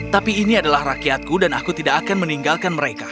tapi ini adalah rakyatku dan aku tidak akan meninggalkan mereka